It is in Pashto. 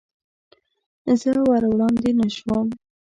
زه ور وړاندې نه شوم.